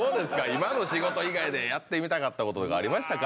今の仕事以外でやってみたかったこととかありましたか？